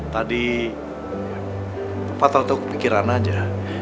tadi papa tertuk pikiran aja